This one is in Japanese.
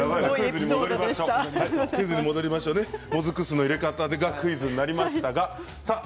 もずく酢の入れ方がクイズになりました。